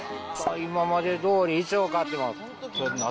今までどおり一応、買ってます。